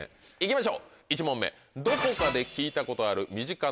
行きましょうどこかで聞いたことある。